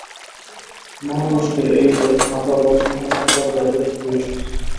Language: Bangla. মহা মুশকিল এই যে, আমরা বচন ও মতবাদ ঝাড়িতে বৃহস্পতি।